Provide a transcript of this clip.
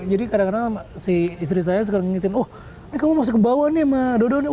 jadi kadang kadang si istri saya suka ngingetin oh ini kamu masuk kebawah nih emang dodo nih